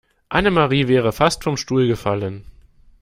Annemarie wäre fast vom Stuhl gefallen.